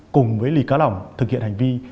cùng với lý cá lòng thực hiện hành vi